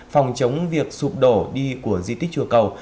phòng chống việc sụp đổ đi của di tích chùa cầu